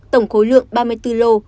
tổng khối lượng ba mươi bốn lô